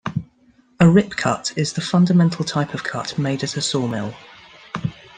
A rip cut is the fundamental type of cut made at a sawmill.